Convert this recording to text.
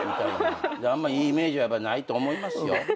あんまいいイメージはないと思いますよ。